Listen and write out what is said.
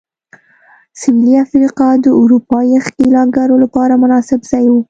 سوېلي افریقا د اروپايي ښکېلاکګرو لپاره مناسب ځای و.